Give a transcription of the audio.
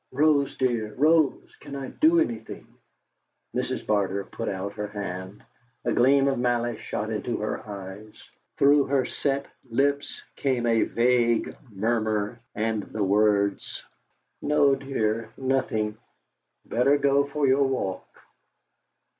"Rose dear, Rose, can I do anything?" Mrs. Barter put out her hand, a gleam of malice shot into her eyes. Through her set lips came a vague murmur, and the words: "No, dear, nothing. Better go for your walk."